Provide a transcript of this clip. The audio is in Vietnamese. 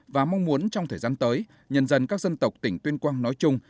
và mong muốn trong thời gian tới nhân dân các dân tộc tỉnh tuyên quang nói chung